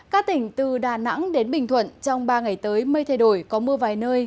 các tỉnh từ đà nẵng đến bình thuận trong ba ngày tới mây thay đổi có mưa vài nơi